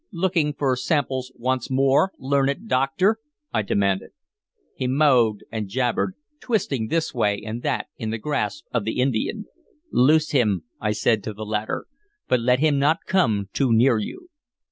"Looking for simples once more, learned doctor?" I demanded. He mowed and jabbered, twisting this way and that in the grasp of the Indian. "Loose him," I said to the latter, "but let him not come too near you.